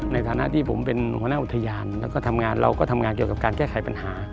ในฐานะที่ผมเป็นหัวหน้าอุทยานแล้วก็ทำงานเราก็ทำงานเกี่ยวกับการแก้ไขปัญหา